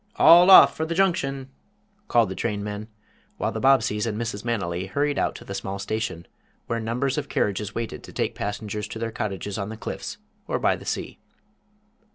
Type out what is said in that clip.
All off for the Junction!" called the train men, while the Bobbseys and Mrs. Manily hurried out to the small station, where numbers of carriages waited to take passengers to their cottages on the cliffs or by the sea.